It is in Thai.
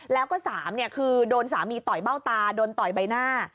แล้วก็๓คือโดนสามีต่อยเบ้าตาโดนต่อยใบหน้า